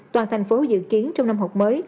toàn thành phố dự kiến trong năm học mới